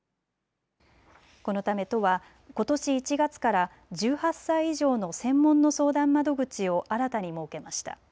このため都はことし１月から１８歳以上の専門の相談窓口を新たに設けました。